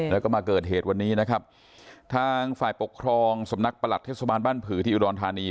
แล้วก็มาเกิดเหตุวันนี้นะครับทางฝ่ายปกครองสำนักประหลัดเทศบาลบ้านผือที่อุดรธานี